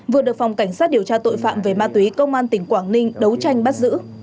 vừa được phòng cảnh sát điều tra tội phạm về ma túy công an tỉnh quảng ninh đấu tranh bắt giữ